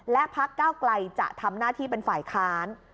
และพักเก้าไกลจะทำหน้าที่เป็นฝ่ายค้าน